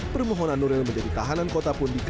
permohonan nuril menjadi tahanan kota pun dikawa